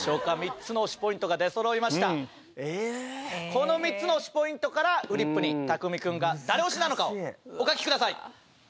この３つの推しポイントからフリップにたくみくんが誰推しなのかをお書きください